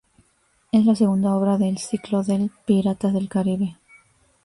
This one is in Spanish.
Es la segunda obra del ciclo del "Piratas del Caribe".